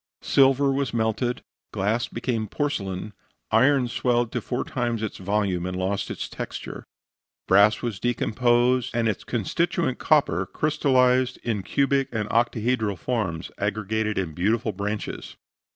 Silver was melted, glass became porcelain, iron swelled to four times its volume and lost its texture. Brass was decomposed, and its constituent copper crystallized in cubic and octahedral forms aggregated in beautiful branches.